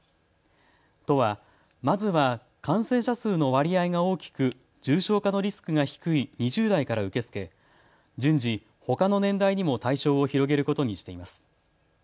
都はまずは感染者数の割合が大きく重症化のリスクが低い２０代から受け付け順次、ほかの年代にも対象を広げることにしています。